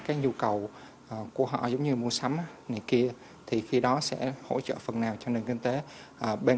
các nhu cầu của họ giống như mua sắm này kia thì khi đó sẽ hỗ trợ phần nào cho nền kinh tế bên